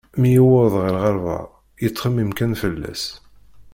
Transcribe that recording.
Mi yuweḍ ɣer lɣerba, yettxemmim kan fell-as.